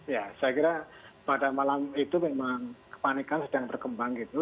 ya saya kira pada malam itu memang kepanikan sedang berkembang gitu